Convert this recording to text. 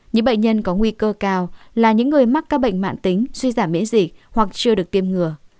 những bệnh nhân có nguy cơ cao là những người mắc các bệnh mạng tính suy giảm miễn dịch hoặc chưa được tiêm ngừa